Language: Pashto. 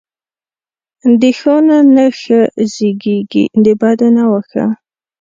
دښو نه ښه زیږیږي، د بدونه واښه.